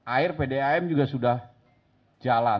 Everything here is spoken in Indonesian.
air pdam juga sudah jalan